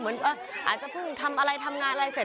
เหมือนอาจจะเพิ่งทำอะไรทำงานอะไรเสร็จ